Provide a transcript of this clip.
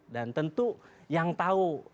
dan tentu yang tahu